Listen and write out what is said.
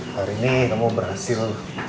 hari ini kamu berhasil